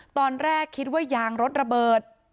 ตอนแรกคิดว่ายางรถระเบิด